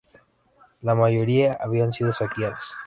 La mayoría habían sido saqueadas.